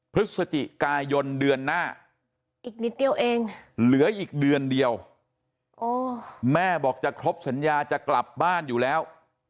พฤศจิกายนเดือนหน้าอีกนิดเดียวเองเหลืออีกเดือนเดียวแม่บอกจะครบสัญญาจะกลับบ้านอยู่แล้ว